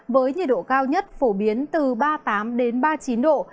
với nhiệt độ cao nhất phổ biến từ ba mươi tám ba mươi chín độ